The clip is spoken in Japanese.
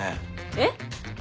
えっ⁉